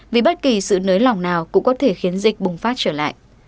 vì bất kỳ sự nới lỏng nào cũng có thể khiến dịch bùng phát trở lại